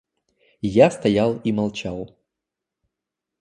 И я стоял и молчал.